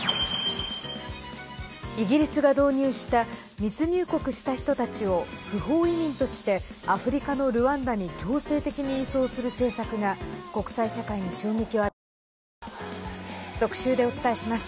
イギリスが導入した密入国した人たちを不法移民としてアフリカのルワンダに強制的に移送する政策が国際社会に衝撃を与えています。